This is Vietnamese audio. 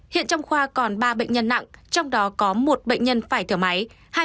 hiện trong khoa còn ba bệnh nhân nặng trong đó có một bệnh nhân phải thở máy